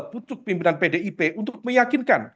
putuk pimpinan pdip untuk meyakinkan